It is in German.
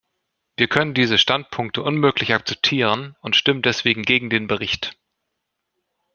Wir können diese Standpunkte unmöglich akzeptieren und stimmen deswegen gegen den Bericht.